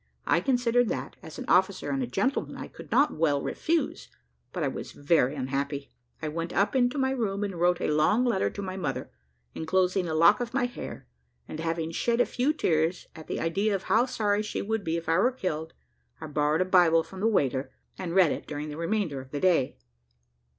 I considered that, as an officer and a gentleman, I could not well refuse, but I was very unhappy. I went up into my room and wrote a long letter to my mother, enclosing a lock of my hair, and having shed a few tears at the idea of how sorry she would be if I were killed, I borrowed a Bible from the waiter, and read it during the remainder of the day.